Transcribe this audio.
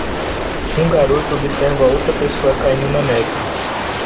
Um garoto observa outra pessoa caindo na neve.